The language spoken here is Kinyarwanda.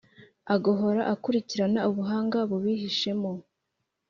agahora akurikirana ubuhanga bubihishemo.